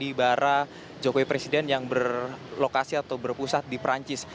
ini adalah para jokowi presiden yang berlokasi atau berpusat di perancis